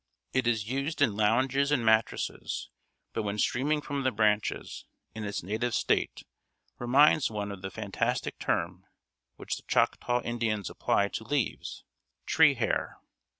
It is used in lounges and mattresses; but when streaming from the branches, in its native state, reminds one of the fantastic term which the Choctaw Indians apply to leaves "tree hair."